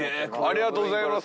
ありがとうございます。